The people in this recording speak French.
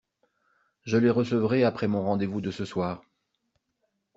Je les recevrai après mon rendez-vous de ce soir.